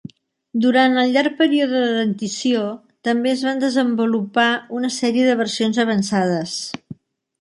Durant el llarg període de dentició també es van desenvolupar una sèrie de versions avançades.